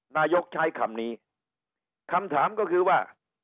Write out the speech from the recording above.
นายกใช้คำนี้คำถามก็คือว่า